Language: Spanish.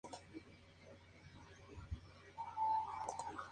Es la más septentrional de las llamadas corrientes oceánicas.